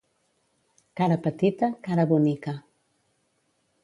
Cara petita, cara bonica.